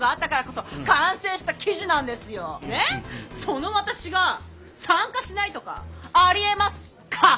その私が参加しないとかありえますか？